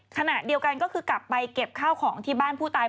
ขณะเดียวกันก็คือกลับไปเก็บข้าวของที่บ้านผู้ตาย